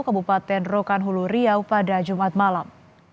kebupaten rokan hulu riau pada jumat malam